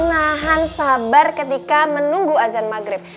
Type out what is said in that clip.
nahan sabar ketika menunggu azan maghrib